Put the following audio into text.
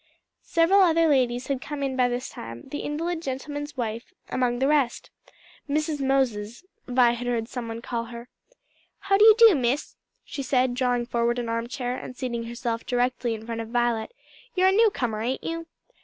Several other ladies had come in by this time, the invalid gentleman's wife among the rest. "Mrs. Moses," Vi heard some one call her. "How do you do, Miss?" she said, drawing forward an arm chair and seating herself directly in front of Violet. "You're a new comer, ain't you?"